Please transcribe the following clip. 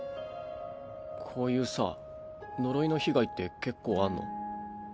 こういうさ呪いの被害って結構あんの？